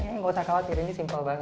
jangan khawatir ini simpel banget